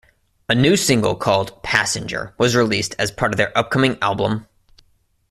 A new single called "Passenger" was released as part of their upcoming album.